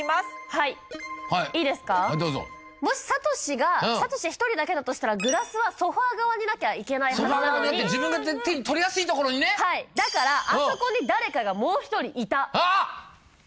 はいどうぞもし聡志が聡志１人だけだとしたらグラスはソファー側になきゃいけないはずなのに自分が手に取りやすいところにねはいだからあそこに誰かがもう一人いたあっ！